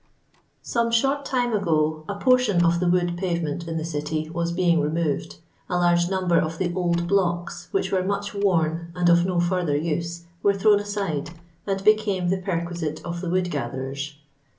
Some short time ago a portion of the wood pave ment in the city was being removed ; a lai; ge num ber of the old blocks, which were much worn and of no further use, were thrown aside, and became the perquisite of the wood gatherers.